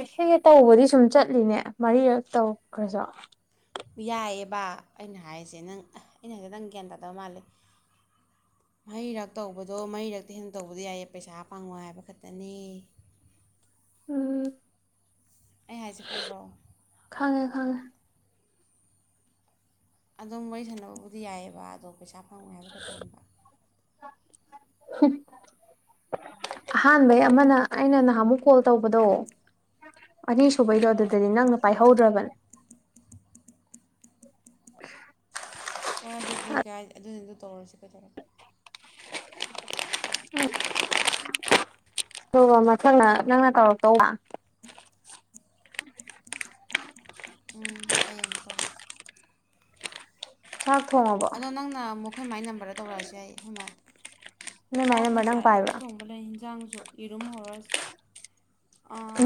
ꯑꯦꯦꯁꯦ ꯇꯧꯕꯗꯤ ꯁꯨꯝ ꯆꯠꯂꯤꯅꯦ ꯃꯔꯤꯔꯛ ꯇꯧꯈ꯭ꯔꯁꯨ ꯌꯥꯏꯑꯕ ꯑꯩꯅ ꯍꯥꯏꯔꯤꯁꯦ ꯅꯪ ꯑꯩꯅ ꯍꯥꯏꯁꯦ ꯅꯪ ꯒ꯭ꯌꯥꯟ ꯇꯥꯗꯕ ꯃꯥꯜꯂꯦ ꯃꯍꯩꯔꯛ ꯇꯧꯕꯗꯣ ꯃꯍꯩꯔꯛꯇꯤ ꯍꯦꯟꯅ ꯇꯧꯕꯗꯣ ꯌꯥꯏꯌꯦ ꯄꯩꯁꯥ ꯄꯥꯡꯉꯣ ꯍꯥꯏꯕ ꯈꯛꯇꯅꯤ ꯎꯝ ꯑꯩ ꯍꯥꯏꯁꯦ ꯈꯪꯕ꯭ꯔꯣ ꯈꯪꯉꯦ ꯈꯪꯉꯦ ꯑꯗꯨꯝ ꯋꯥꯔꯤ ꯁꯥꯟꯅꯕꯕꯨꯗꯤ ꯌꯥꯏꯑꯕ ꯑꯗꯣ ꯄꯩꯁꯥ ꯐꯪꯉꯣꯏ ꯍꯥꯏꯕ ꯈꯛꯇꯅꯦꯕ [unintelligible] ꯑꯍꯥꯟꯕꯩ ꯑꯃꯅ ꯑꯩꯅ ꯅꯍꯥꯟꯃꯨꯛ ꯀꯣꯜ ꯇꯧꯕꯗꯣ ꯑꯅꯤꯁꯨꯕꯩꯗꯣ ꯑꯥ ꯑꯗꯨꯗꯗꯤ ꯅꯪꯅ ꯄꯥꯏꯍꯧꯗ꯭ꯔꯕꯅꯦ ꯍꯣꯏ ꯑꯗꯨꯗꯤ ꯀꯥꯏ ꯑꯗꯨꯅꯤꯗꯣ ꯇꯧꯔꯁꯤ ꯀꯩ ꯇꯧꯔꯀꯦ ꯍ ꯃꯊꯪꯅ ꯅꯪꯅ ꯇꯧꯔꯛꯇꯧꯕ [inaudible] ꯎꯝ ꯑꯩ ꯑꯃꯨꯛ ꯇꯧꯔꯛꯀꯦ ꯍ ꯑꯗꯣ ꯅꯪꯅ ꯑꯩꯈꯣꯏ ꯃꯥꯥꯏ ꯅꯝꯕꯔꯗ ꯇꯧꯔꯛꯑꯁꯨ ꯌꯥꯏ ꯑꯩꯣꯏ ꯃꯥꯥꯏ ꯅꯣꯏ ꯃꯥꯏ ꯆꯥꯛ ꯅꯝꯕꯔ ꯅꯪ ꯉꯁꯥꯏꯌꯨ ꯀꯩ ꯄꯥꯏꯕ꯭ꯔꯥ ꯊꯣꯡꯕ ꯂꯩ ꯌꯦꯟꯖꯥꯡꯁꯨ ꯏꯔꯨꯝ ꯍꯔꯁ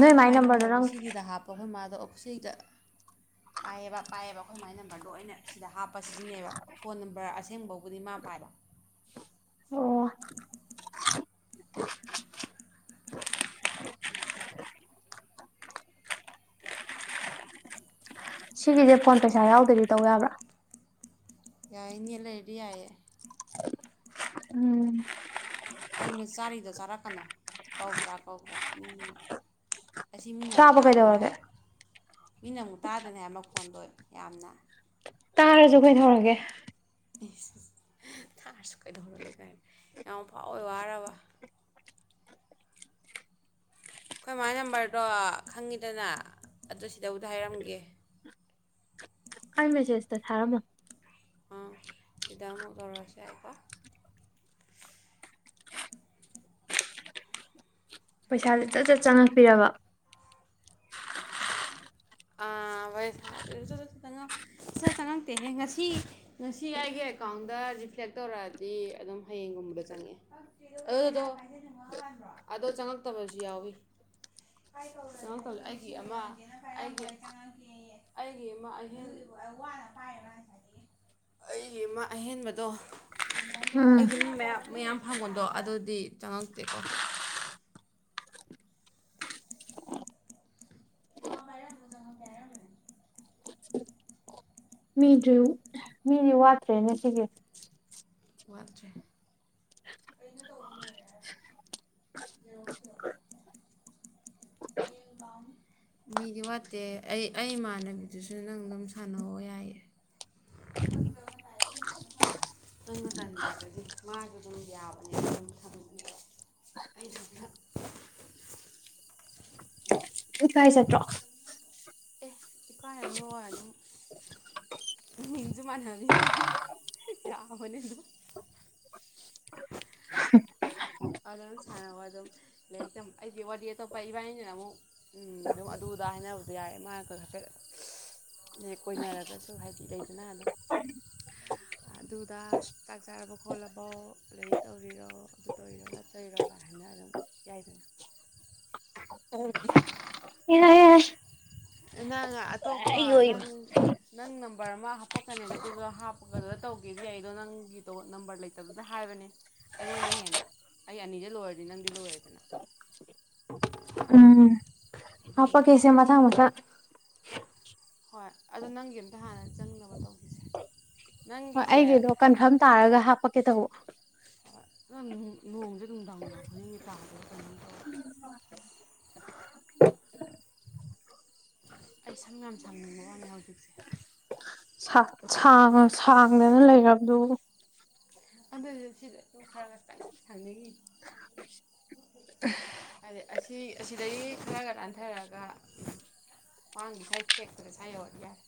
ꯅꯣꯏ ꯃꯥꯏ ꯅꯝꯕꯔꯗꯣ ꯅꯝꯕꯔ ꯍꯥꯏꯗꯤ ꯅꯪ ꯁꯤꯒꯤꯗ ꯍꯥꯞꯄꯣ ꯑꯩꯈꯣꯏ ꯃꯥ ꯑꯗꯣ ꯑꯣꯐꯤꯁꯩꯗ ꯄꯥꯏꯌꯦꯕ ꯄꯥꯏꯌꯦꯕ ꯑꯩꯈꯣꯏ ꯃꯥꯏ ꯅꯝꯕꯔ ꯂꯣꯏꯅ ꯁꯤꯗ ꯍꯥꯞꯄ ꯁꯤꯖꯤꯟꯅꯩꯕ ꯐꯣꯟ ꯅꯝꯕꯔ ꯑꯁꯦꯡꯕꯥꯎꯕꯨꯗꯤ ꯃꯥ ꯄꯥꯏꯕ ꯑꯣ ꯁꯤꯒꯤꯁꯦ ꯐꯣꯟ ꯄꯩꯁꯥ ꯌꯥꯎꯗꯗꯤ ꯇꯧ ꯌꯥꯕ꯭ꯔꯥ ꯌꯥꯜꯦꯗꯤꯌꯥꯥꯏ ꯎꯝ ꯀꯩꯅꯣ ꯆꯥꯔꯤꯗꯣ ꯆꯥꯔꯛꯀꯅꯣ ꯀꯧꯕ꯭ꯔꯥ ꯀꯧꯕ꯭ꯔꯥ ꯃꯤꯅ ꯑꯁꯤ ꯃꯤꯅ ꯑꯃꯨꯛ ꯆꯥꯕ ꯇꯥꯗꯣꯏꯅꯦ ꯀꯩꯗꯧꯔꯒꯦ ꯍꯥꯏꯕ ꯃꯤꯅ ꯑꯃꯨꯛ ꯇꯥꯗ꯭ꯅꯤ ꯍꯥꯏꯕ ꯑꯃ ꯈꯣꯟꯗꯣꯏ ꯌꯥꯝꯅ ꯇꯥꯔꯖꯈꯣꯏꯅꯧꯔꯒꯦ ꯊꯥꯔꯁꯨ ꯀꯩꯗꯧꯔꯒꯦ ꯀꯥꯏꯅ ꯌꯥꯝ ꯐꯥꯎꯋꯦ ꯋꯥꯔꯕ ꯑꯩꯈꯣꯏ ꯃꯥꯥꯏ ꯅꯝꯕꯔꯗꯣ ꯈꯪꯉꯤꯗꯅ ꯑꯗꯨ ꯁꯤꯗꯕꯨꯗ ꯍꯥꯏꯔꯝꯒꯦ ꯀꯥꯏ ꯃꯦꯁꯦꯖꯇ ꯊꯥꯔꯃꯣ ꯑꯥ ꯁꯤꯗꯥ ꯑꯃꯨꯛ ꯇꯔꯔꯁꯤꯦ ꯍꯥꯏꯀꯣ ꯄꯩꯁꯥꯥꯁꯦ ꯆꯠ ꯆꯠ ꯆꯪꯉꯛꯄꯤꯔꯕ ꯚ ꯆꯪꯉꯛꯇꯦꯍꯦ ꯉꯁꯤ ꯉꯁꯤ ꯑꯩꯒꯤ ꯑꯦꯀꯥꯎꯟꯗ ꯔꯤꯐ꯭ꯂꯦꯛ ꯇꯧꯔꯛꯑꯗꯤ ꯑꯗꯨꯝ ꯍꯌꯦꯡꯒꯨꯝꯕꯗ ꯆꯪꯉꯛꯑꯦ ꯑꯗꯨꯗꯣ ꯑꯗꯣ ꯆꯪꯉꯛꯇꯕꯁꯨ ꯌꯥꯎꯋꯤ ꯑꯩꯒꯤ ꯑꯃ ꯑꯍꯦꯟꯕꯗꯣ ꯎꯝ ꯑꯩꯒꯤꯨꯡ ꯃꯌꯥꯝ ꯐꯪꯕꯣꯟꯗꯣ ꯑꯗꯨꯗꯤ ꯆꯪꯉꯛꯇꯦꯀꯣ ꯃꯥ ꯄꯔ ꯍꯧꯖ ꯄꯤꯔ ꯃꯤꯗꯨ ꯃꯤꯗꯤ ꯋꯥꯠꯇ꯭ꯔꯦꯅꯦ ꯁꯤꯒꯤ ꯃꯖ ꯃꯤꯗꯤ ꯋꯥꯠꯇꯦ ꯑꯩ ꯑꯩ ꯏꯃꯥꯟꯅꯕꯤꯗꯨꯁꯨ ꯅꯪ ꯑꯗꯨꯝ ꯁꯥꯟꯅꯑꯣ ꯌꯥꯏꯌꯦ ꯅꯪꯅ ꯇꯟꯗ꯭ꯔꯒꯗꯤ ꯃꯥꯁꯨ ꯑꯗꯨꯝ ꯌꯥꯕꯅꯦꯅ ꯑꯗꯨꯝ ꯑꯩꯁꯨ ꯀꯥꯏ ꯆꯠꯇ꯭ꯔꯣ ꯑꯦ ꯏꯀꯥꯟꯅ ꯂ ꯑꯗꯨꯝ ꯃꯤꯡꯁꯨ ꯃꯥꯟꯅꯅꯤ ꯃꯥꯅꯦ ꯌꯥꯕꯅꯤ ꯑꯗꯨꯝ ꯑꯗꯨ ꯑꯗꯨꯝ ꯁꯥꯟꯅꯕ ꯑꯗꯨꯝ ꯂꯥꯏꯔꯤꯛꯝ ꯑꯩꯗꯤ ꯋꯥꯔꯤ ꯑꯇꯣꯞꯄ ꯏꯕꯥꯅꯤꯅꯤꯅ ꯑꯃꯨꯛ ꯑꯗꯨꯝ ꯑꯗꯨꯗ ꯍꯥꯏꯅꯕꯁꯨ ꯌꯥꯏ ꯃꯥꯅ ꯍꯥꯏꯐꯦꯠ ꯍꯦꯛ ꯀꯣꯏꯅꯔꯒꯁꯨ ꯍꯥꯏꯗꯤ ꯂꯩꯗꯅ ꯑꯗꯨꯝ ꯑꯗꯨꯗ ꯆꯥꯛ ꯆꯥꯔꯕ ꯈꯣꯠꯂꯕꯣ ꯑꯗꯒꯤ ꯇꯧꯕꯤꯔꯣ ꯇꯣꯏꯔꯒ ꯆꯩꯣꯏꯔꯒ ꯍꯥꯏꯅ ꯑꯗꯨꯝ ꯌꯥꯏꯗꯅ ꯌꯥꯏ ꯌꯥꯏ ꯅꯪꯉ ꯑꯇꯣꯞ ꯄ ꯅꯪ ꯅꯪ ꯅꯝꯕꯔ ꯑꯃ ꯍꯥꯄꯛꯀꯅꯦꯗ ꯑꯗꯨꯁꯨ ꯍꯥꯞꯄꯛꯒꯗꯨꯗ ꯇꯧꯒꯦꯗꯤ ꯌꯥꯏ ꯑꯗꯣ ꯅꯪꯒꯤꯗꯣ ꯅꯝꯕꯔ ꯂꯩꯇꯕꯗꯨꯗ ꯍꯥꯏꯕꯅꯦ ꯑꯩꯉꯣꯟꯗ ꯍꯦꯟꯅ ꯑꯩ ꯑꯅꯤꯁꯦ ꯂꯣꯏꯔꯗꯤ ꯅꯪꯗꯤ ꯂꯣꯏꯔꯦꯗꯅ ꯍꯄꯥꯛ ꯑꯗꯨꯏꯅꯤꯗ ꯀꯦꯁꯦ ꯃꯊꯪ ꯃꯊꯪ ꯍꯣꯏ ꯑꯗꯣ ꯅꯪꯒꯤ ꯑꯝꯇ ꯍꯥꯟꯅ ꯆꯪꯅꯕ ꯇꯧꯈꯤꯁꯦ ꯍꯣꯏ ꯅꯪꯒꯤꯁꯦ ꯑꯩꯒꯤꯗꯣ ꯀꯟꯐꯥꯔꯝ ꯇꯥꯔꯒ ꯍꯥꯄ ꯀꯦꯇꯕꯨ ꯅꯣꯡꯁꯦ ꯅꯨꯡꯗꯥꯡ ꯈꯨꯗꯤꯡꯒꯤ ꯇꯥꯕꯣ ꯀꯃꯥꯏꯅ ꯇꯧꯋ ꯑꯩ ꯁꯝ ꯌꯥꯝ ꯁꯪꯅꯤꯡꯕ ꯋꯥꯅꯦ ꯍꯧꯖꯤꯛꯁꯦ ꯁꯥꯡꯉ ꯁꯥꯡꯗꯅ ꯂꯩꯔꯕꯗꯨ ꯑꯗꯨꯗꯤ ꯁꯤꯗ ꯑꯗꯨꯝ ꯈꯔ ꯈ ꯁꯪꯅꯤꯡꯈꯤ ꯍꯥꯏꯗꯩ ꯑꯁꯤ ꯑꯁꯤꯗꯒꯤ ꯈꯔꯒ ꯅꯥꯟꯊꯔꯛꯑꯒ ꯋꯥꯡꯒꯤ ꯁ꯭ꯋꯥꯏ ꯊꯦꯛꯄꯗ ꯁ꯭ꯋꯥꯏ ꯌꯧꯔꯗꯤ ꯌꯥꯔꯦ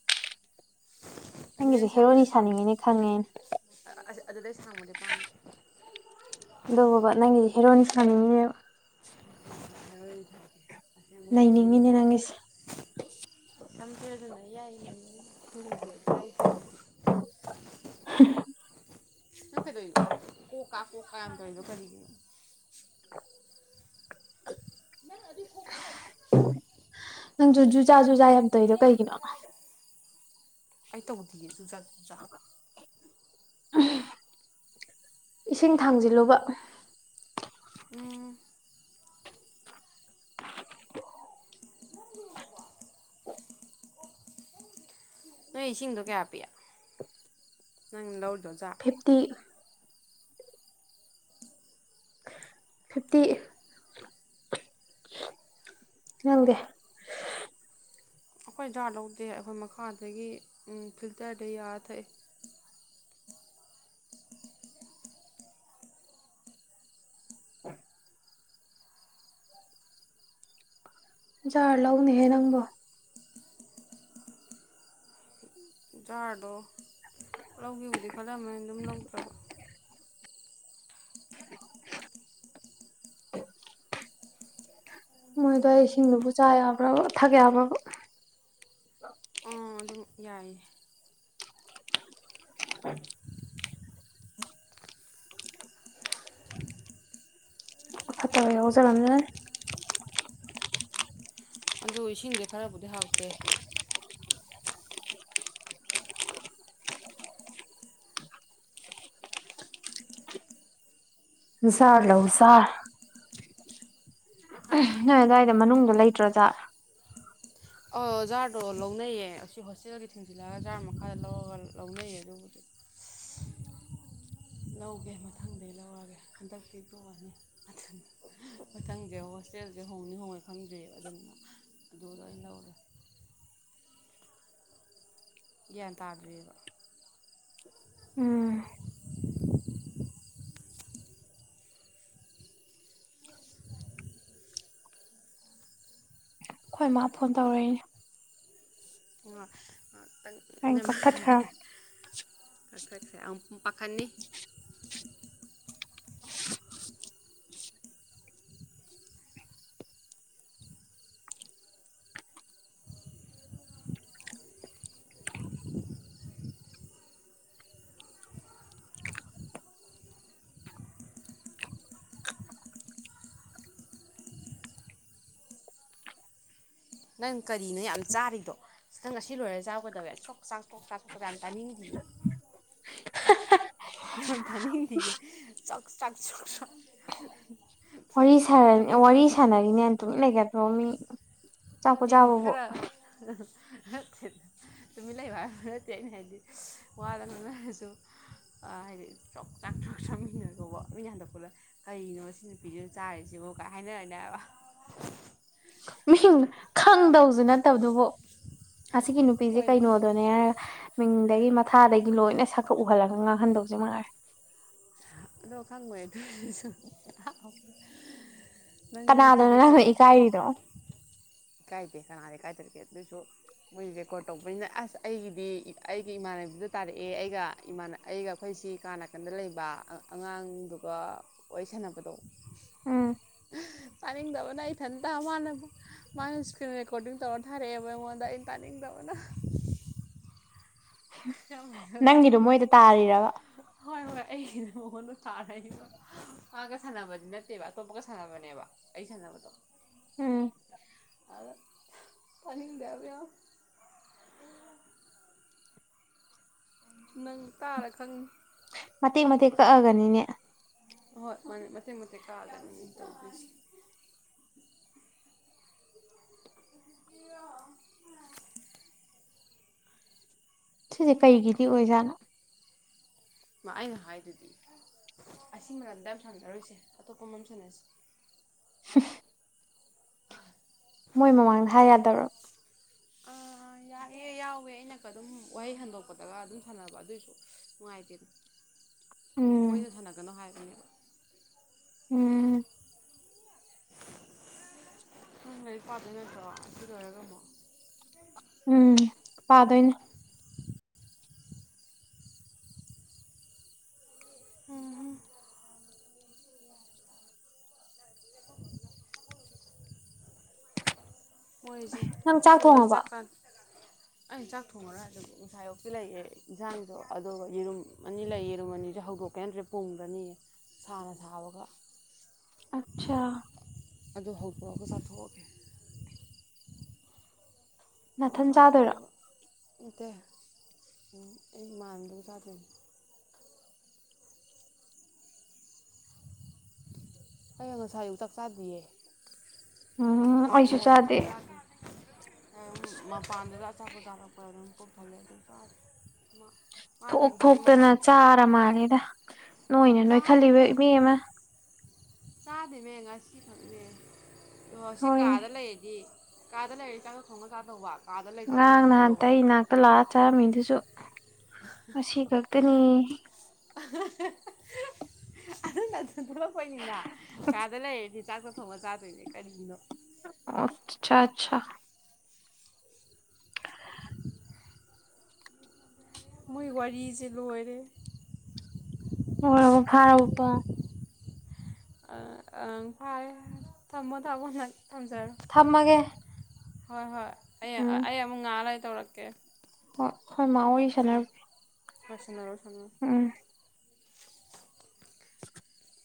ꯅꯪꯒꯤꯁꯦ ꯑꯁꯤꯗꯩ ꯍꯦꯔꯣꯅꯤ ꯁꯥꯡꯕꯗꯤ ꯁꯥꯅꯤꯡꯉꯤꯅꯦ ꯈꯪꯉꯦꯅ ꯑꯗꯨꯗ ꯊꯃꯗ ꯄꯝ ꯑꯗꯨꯒꯕ ꯅꯪꯒꯤꯗꯤ ꯍꯦꯔꯣꯏꯟ ꯁꯥꯅꯤꯡꯉꯅꯦꯕ ꯍ ꯂꯩꯅꯤꯡꯉꯤꯅꯦ ꯅꯪꯒꯤꯁꯦ ꯌꯥꯝꯊꯗꯅ ꯌꯥꯏꯉ ꯊꯔꯤꯁꯦ ꯀꯥꯏꯗ ꯅꯪ ꯀꯩꯗꯧꯅꯣ ꯀꯣꯛ ꯀꯥ ꯀꯣꯛ ꯀꯥ ꯌꯥꯝ ꯇꯧꯔꯤꯅꯣ ꯀꯔꯤꯒꯤꯅꯣ ꯅꯪꯅ ꯑꯗꯨ ꯐ ꯪꯅꯪꯁꯨ ꯖꯨ ꯆꯥꯖꯨ ꯌꯥꯝꯝ ꯇꯣꯏꯗꯣ ꯂꯩ ꯀꯩꯒꯤꯅꯣꯃ ꯀꯥꯏꯗ ꯑꯩ ꯇꯧꯗꯒꯦꯁꯨꯨ ꯆꯥ [inaudible] ꯏꯁꯤꯡ ꯊꯥꯡꯖꯤꯜꯂꯨꯕ ꯎꯝ ꯅꯪ ꯏꯁꯤꯡꯗꯣ ꯀꯌꯥ ꯄꯤꯌꯥ ꯅꯪ ꯂꯧ ꯐꯤꯞꯇꯤ ꯐꯤꯞꯇꯤ ꯑꯩꯈꯣꯏ ꯅꯪꯒꯦ ꯑꯩꯈꯣꯏ ꯖꯥꯔ ꯂꯧꯗꯦ ꯑꯩꯈꯣꯏ ꯃꯈꯥꯗꯒꯤ ꯐꯤꯜꯇꯔꯗ ꯌꯥꯔ ꯊꯛꯑꯦ ꯎ ꯖꯥꯔ ꯂꯧꯅꯤꯍꯦ ꯅꯪꯕꯣ ꯖꯥꯔꯗꯣ ꯂꯧꯈꯤꯕꯕꯨꯗꯤ ꯈꯜꯂꯝꯃꯅ ꯑꯗꯨꯝ ꯂꯧꯗ꯭ꯔꯕ ꯃꯣꯏꯗꯣ ꯑꯩ ꯏꯁꯤꯡꯗꯨꯕꯨ ꯆꯥ ꯌꯥꯕ꯭ꯔꯥ ꯊꯥꯒ ꯌꯥꯕ꯭ꯔꯥ ꯑ ꯑꯗꯨꯝ ꯌꯥꯏꯌꯦ ꯑ ꯈꯥꯇꯥ ꯍꯕ ꯆꯥꯅꯦꯅꯦ ꯑꯗꯨ ꯏꯁꯤꯡꯁꯦ ꯈꯔꯕꯨꯗꯤ ꯍꯥꯎꯇꯦ ꯁꯥꯥꯔ ꯂꯑꯣꯖꯥ ꯅꯣꯏ ꯑꯗꯨꯋꯥꯏꯗ ꯃꯅꯨꯡꯗ ꯂꯩꯇ꯭ꯔꯣꯖꯥꯠ ꯑ ꯖꯥꯔꯗꯣ ꯂꯧꯅꯩꯌꯦ ꯑꯁꯤ ꯍꯣꯁꯇꯦꯜꯒꯤ ꯊꯤꯡꯖꯤꯜꯂꯒ ꯖꯥꯔ ꯃꯈꯥꯗ ꯂꯧꯔꯒ ꯂꯧꯅꯩꯌꯦ ꯑꯗꯨꯕꯨꯗꯤ ꯂꯧꯒꯦ ꯃꯊꯪꯗ ꯂꯧꯔꯒꯦ ꯍꯟꯗꯛꯇꯤ ꯇꯣꯛꯑꯅꯤ ꯑꯗꯨ ꯃꯊꯪꯁꯦ ꯍꯣꯁꯇꯦꯜꯁꯦ ꯍꯣꯡꯅꯤ ꯍꯣꯡꯉꯦ ꯈꯪꯗ꯭ꯔꯤꯦ ꯑꯗꯨꯅ ꯑꯗꯨꯗ ꯑꯩꯅ ꯂꯧꯔꯦ ꯒ꯭ꯌꯥꯟ ꯇꯥꯗ꯭ꯔꯤꯑꯕ ꯎꯝ ꯍꯣꯏ ꯃꯥ ꯐꯣꯟ ꯇꯧꯔꯛꯏꯅꯦ ꯑꯣ ꯑꯩꯅ ꯀꯛꯊꯠꯈ꯭ꯔꯕ [inaudible] ꯑ ꯑ ꯄꯥꯈꯥꯅꯤ ꯅꯪ ꯀꯔꯤꯅꯣ ꯌꯥꯝ ꯆꯥꯔꯤꯗꯣ ꯅꯪ ꯉꯁꯤ ꯂꯣꯏꯔ ꯆꯎꯒꯗꯕ ꯁꯣꯛ ꯆꯥꯛꯣꯛ ꯆꯥꯛꯣꯛꯀ ꯌꯥꯝ ꯇꯥꯅꯤꯡꯗꯌꯦ ꯌ ꯊꯅꯤꯡꯗꯤꯒꯤ ꯆꯥꯛ ꯆꯥꯛ ꯆꯣꯛ ꯆ ꯋꯥꯔꯤ ꯁꯥꯟꯅꯔꯤꯅꯦ ꯑꯗꯨ ꯂꯩꯒꯠ ꯔꯣꯃꯤ ꯆꯥꯄꯣ ꯆꯥꯕꯕ ꯇꯨꯃꯤꯠ ꯂꯩꯕ ꯍꯥꯏꯁꯨ ꯅꯠꯇꯦ ꯑꯩꯅ ꯍꯥꯏꯗꯤ ꯋꯥꯗ ꯅꯟꯅꯔꯁꯨ ꯍꯥꯏꯗꯤ ꯆꯣꯛ ꯆꯥꯛ ꯆꯣꯛ ꯆꯥꯃꯤꯟꯅꯀꯣꯕ ꯃꯤꯅ ꯍꯟꯗꯛꯄꯠꯂ ꯀꯔꯤꯅꯣ ꯁꯤ ꯅꯨꯄꯤꯁꯤꯅ ꯆꯥꯔꯤꯁꯤꯕꯣ ꯀꯥꯏ ꯍꯥꯏꯅꯔꯅꯦ ꯍꯥꯏꯕ ꯃꯤ ꯈꯪꯗꯧꯁꯨ ꯅꯠꯇꯕꯗꯨꯕꯨ ꯑꯁꯤꯒꯤ ꯅꯨꯄꯤꯁꯦ ꯍꯣꯏꯅꯦ ꯀꯩꯅꯣꯗꯅꯦ ꯃꯤꯡꯗꯒꯤ ꯃꯊꯥꯗꯒꯤ ꯂꯣꯏꯅ ꯁꯛꯈꯛ ꯎꯍꯜꯂꯒ ꯉꯥꯡꯍꯟꯗꯧꯁꯦ ꯃꯥꯅꯔꯦ ꯈꯪꯕ ꯑꯗꯨ ꯁ ꯀꯅꯥꯗꯣꯅ ꯂꯪꯊꯏ ꯀꯥꯏꯔꯤꯗꯣ ꯏꯀꯥꯏꯗꯦ ꯀꯅꯥꯗ ꯀꯥꯏꯗꯔꯛꯒꯦ ꯑꯗꯨꯁꯨ ꯃꯣꯏ ꯔꯦꯀꯣꯔꯠ ꯇꯧꯕꯅꯤꯅ ꯑꯁ ꯑꯩꯒꯤꯗꯤ ꯑꯩꯒꯤ ꯏꯃꯥꯟꯅꯕꯤꯗ ꯇꯥꯔꯛꯑꯦ ꯑꯩꯒꯥꯟ ꯑꯩꯒ ꯑꯩꯈꯣꯏꯁꯤ ꯀ ꯅꯥꯀꯟꯗ ꯂꯩꯕ ꯑꯉꯥꯡꯗꯨꯒ ꯋꯥꯔꯤꯁꯟꯅꯅꯕꯗꯣ ꯎꯝ ꯄꯅꯤ ꯗꯕ ꯅ ꯏꯊꯟꯇ ꯃꯥꯅ ꯃꯥꯅ ꯏꯁꯀ꯭ꯔꯤꯟ ꯔꯦꯀꯣꯔꯗꯤꯡ ꯇꯧꯔ ꯊꯥꯔꯛꯑꯦꯕ ꯑꯩꯉꯣꯟꯗ ꯑꯩꯅ ꯇꯥꯅꯤꯡꯗꯕꯅ ꯌꯥꯝ ꯅꯪꯒꯤꯗꯣ ꯍꯩꯅꯗꯕꯗꯣ ꯃꯣꯏꯗ ꯇꯥꯔꯤꯔꯕ ꯑꯩ ꯍꯩꯅ ꯃꯉꯣꯟꯗ ꯊꯥꯔꯗꯣ ꯃꯥꯒ ꯁꯥꯟꯅꯕꯗꯤ ꯅꯠꯇꯦꯕ ꯑꯇꯣꯞꯄꯒ ꯁꯥꯟꯅꯕꯅꯦꯕ ꯑꯩ ꯁꯥꯟꯅꯕꯗꯣ ꯎꯝ ꯑꯗ ꯄꯅꯤꯗꯦꯕ ꯌꯥ ꯅꯪ ꯇꯥꯔ ꯈꯪꯉ ꯃꯇꯦꯛ ꯃꯇꯦꯛ ꯀꯛꯑꯒꯅꯤꯅꯦ ꯍꯣꯏ ꯃ ꯃꯊꯦ ꯃꯊꯦꯛ ꯀꯥꯂꯅꯤ ꯁꯤꯁꯦ ꯀꯩꯒꯤꯗꯤ ꯑꯣꯏꯖꯥꯠꯅꯣ ꯑꯩꯅ ꯍꯥꯏꯗꯨꯗꯤ ꯑꯁꯤ ꯃꯔꯝꯗ ꯌꯥꯝ ꯁꯥꯟꯅꯔꯣꯏꯁꯦ ꯑꯇꯣꯞꯄ ꯃꯝ ꯁꯥꯟꯅꯁꯤ [unintelligible] ꯑ ꯃꯣꯏ ꯃꯃꯥꯡꯗ ꯍꯥꯏ ꯌꯥꯗꯔꯣ ꯑꯥ ꯌꯥꯏꯑꯦ ꯌꯥꯎꯋꯦ ꯑꯩꯅꯒ ꯑꯗꯨꯝ ꯋꯥꯍꯩ ꯍꯟꯗꯣꯛꯄꯗꯒ ꯑꯗꯨꯝ ꯁꯥꯟꯅꯕ ꯑꯗꯨꯏꯁꯨ ꯅꯨꯡꯉꯥꯏꯇꯦꯅ ꯎꯝ ꯃꯣꯏꯅ ꯁꯥꯟꯅꯒꯅꯣ ꯍꯥꯏꯔꯅꯦ ꯎꯝ ꯁꯨꯝ ꯂꯩ ꯄꯥꯗ ꯅꯠꯇ꯭ꯔꯣ ꯑꯗꯨ ꯂꯣꯏꯔ ꯀꯝꯃꯣ ꯎꯝ ꯄꯥꯗꯣꯏꯩꯅ ꯎ ꯃꯣꯏꯁꯦ ꯅꯪ ꯆꯥꯛ ꯑꯩꯈꯣꯏꯁꯦ ꯊꯣꯡꯉꯕ ꯆꯥꯛꯀꯥꯟ ꯑꯩꯩꯅ ꯆꯥꯛ ꯊꯣꯡꯉꯔ ꯑꯗꯨ ꯉꯅꯨꯡꯁꯥꯌꯣꯛꯇꯤ ꯂꯩꯌꯦꯦ ꯌꯦꯟꯁꯥꯡꯗꯣ ꯑꯗꯨꯒ ꯌꯦꯔꯨꯝ ꯑꯅꯤ ꯂꯩ ꯌꯦꯔꯨꯝ ꯑꯅꯤꯁꯨ ꯍꯧꯗꯣꯛꯀꯦ ꯅꯠꯇ꯭ꯔꯦ ꯄꯨꯡꯗꯅꯤ ꯁꯥꯅ ꯁꯥꯕꯒ ꯑꯆꯥ ꯑꯗꯨꯗ ꯍꯧꯄꯣꯛꯒ ꯆꯊꯣꯛꯑꯒꯦ ꯅꯥꯊꯟ ꯃꯖꯥ ꯆꯥꯗꯣꯏꯔꯣ ꯊꯑꯧꯕ ꯏꯠꯇ ꯎꯝ ꯑꯩ ꯃꯥꯟꯕꯒ ꯆꯗꯣꯏꯅꯦ ꯑꯩ ꯉꯁꯥꯏ ꯑꯌꯨꯛ ꯆꯥꯛ ꯆꯥꯗꯤꯌꯦ ꯎꯝ ꯑꯩꯁꯨ ꯉꯥꯁꯥꯏ ꯑꯌꯨꯛ ꯆꯥꯗꯦ ꯆꯥꯛ ꯆꯥꯗ꯭ꯔꯤ ꯑꯩ ꯃꯄꯥꯟꯗꯨꯗ ꯑꯆꯥꯄꯣ ꯆꯥꯔꯛꯄ꯭ꯔ ꯑꯗꯨꯝ ꯄꯨꯛ ꯊꯜꯂꯦ ꯑꯗꯨꯝ ꯆꯗꯦ ꯃꯥ ꯃꯥꯗꯤ ꯊꯣꯛ ꯉꯁꯥꯏꯗꯣ ꯊꯣꯛꯇꯅ ꯃꯄꯥꯟ ꯊꯣꯛ ꯆꯥꯔ ꯃꯥꯜꯂꯦꯗ ꯅꯣꯏꯅ ꯅꯣꯏꯈꯜꯂꯤꯕ ꯆꯥꯗꯦꯃꯦ ꯏꯕꯦꯝꯃꯥ ꯆꯥꯗꯦꯃꯦ ꯉꯁꯤ ꯈꯛꯅꯦ ꯇꯣ ꯁꯤ ꯍꯣꯏ ꯀꯥꯗ ꯂꯩꯔꯗꯤ ꯀꯥꯗ ꯂꯩꯔꯤ ꯆꯥꯛꯇꯣ ꯊꯣꯡꯉ ꯆꯗꯧꯕ ꯉꯥꯡ ꯅꯍꯥꯟꯇꯩ ꯏꯅꯥꯛꯇ ꯂꯛꯑꯥ ꯆꯥꯔꯝꯃꯤꯗꯨꯁꯨ ꯉꯁꯤ ꯈꯛꯇꯅꯤ [unintelligible] ꯑꯗꯨꯅ ꯊꯣꯛꯂꯛꯄꯩꯅꯤꯅ ꯀꯥꯗ ꯂꯩꯔꯗꯤ ꯆꯥꯛ ꯇꯣ ꯊꯣꯡꯉꯥ ꯆꯥꯗꯣꯏꯅꯦ ꯀꯔꯤꯅꯣ ꯑꯠ ꯆꯥ ꯑꯆꯥ ꯃꯣꯏ ꯋꯥꯔꯤꯁꯦ ꯂꯣꯏꯔꯦ ꯂꯣꯏꯔꯕꯣ ꯐꯥꯔꯕꯣ ꯑꯥ ꯑꯪ ꯐꯔꯦ ꯊꯝꯃꯣ ꯊꯝꯃꯣ ꯅꯪ ꯊꯝꯖꯔꯣ ꯊꯝꯃꯒꯦ ꯍꯣꯏ ꯍꯣꯏ ꯑꯩ ꯎꯝ ꯑꯩ ꯑꯃꯨꯛ ꯉꯛꯂꯩ ꯇꯧꯔꯛꯀꯦ꯫ ꯍꯣꯏ ꯈꯣꯏ ꯃꯥ ꯋꯥꯔꯤ ꯎꯝ ꯁꯥꯟꯅꯔꯨꯒꯦ ꯍꯣꯏ ꯁꯅꯔꯣ ꯎꯝ [inaudible]